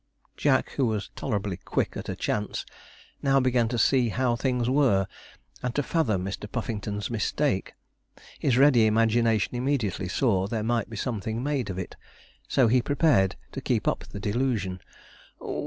Jack, who was tolerably quick at a chance, now began to see how things were, and to fathom Mr. Puffington's mistake. His ready imagination immediately saw there might be something made of it, so he prepared to keep up the delusion.